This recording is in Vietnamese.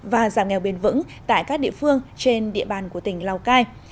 và giảm nghèo bền vững tại các địa phương trên địa bàn của tỉnh lào cai